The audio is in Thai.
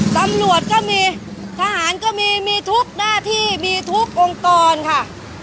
ตำรวจก็มีทหารก็มีมีทุกหน้าที่มีทุกองค์กรค่ะ